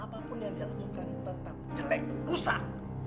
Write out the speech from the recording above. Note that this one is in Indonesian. apapun yang dia lakukan tetap jelek rusak